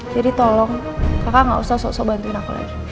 jadi tolong kakak gak usah sok sok bantuin aku lagi